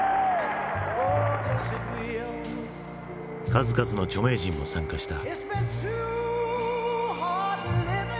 数々の著名人も参加した。